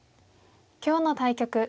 今日の対局